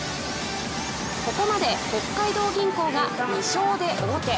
ここまで北海道銀行が２勝で王手。